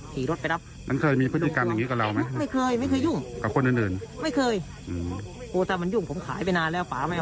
หรีลดไปรับมันเคยมีวิทยุคับอย่างงี้กับเราไหม